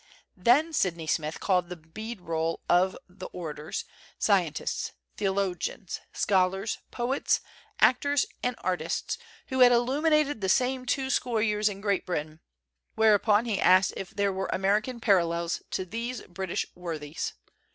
Then Sydney Smith called the bede roll of the orators, scientists, theologians, scholars, poets, actors and artists who had illumined the same two score years in Great Britain; whereupon he asked if there were American parallels to these British worthies.